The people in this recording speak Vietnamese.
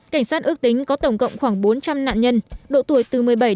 cảnh sát ước tính có tổng cộng khoảng bốn trăm linh nạn nhân đổ tuổi từ một mươi bảy ti dagenable à